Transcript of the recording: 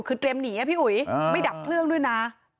คือเตรียมหนีพี่อุ๋ยไม่ดับเครื่องด้วยนะ